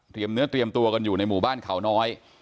เนื้อเตรียมตัวกันอยู่ในหมู่บ้านเขาน้อย